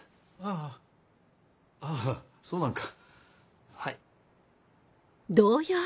あぁあぁそうなんか。はい。